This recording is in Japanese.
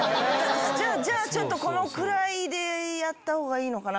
じゃあちょっとこのくらいでやった方がいいのかな？